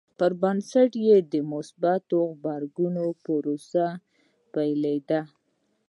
پر بنسټ یې د مثبت غبرګون پروسه پیلېده.